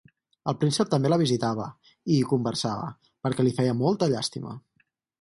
El príncep també la visitava, i hi conversava, perquè li feia molta llàstima.